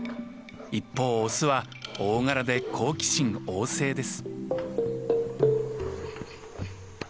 一方オスは大柄で好奇心旺盛です。